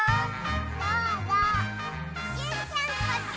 どうぞジュンちゃんこっち！